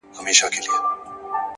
اخلاق د انسان خاموشه پېژندپاڼه ده